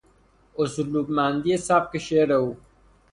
اسلوبمندی سبک شعر او